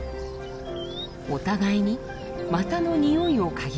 お互いに股のにおいを嗅ぎ合います。